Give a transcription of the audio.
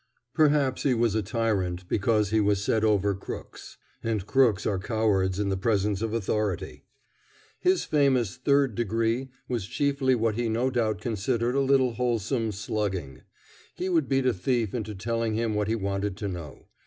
Perhaps he was a tyrant because he was set over crooks, and crooks are cowards in the presence of authority. His famous "third degree" was chiefly what he no doubt considered a little wholesome "slugging." He would beat a thief into telling him what he wanted to know.